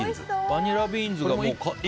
バニラビーンズです。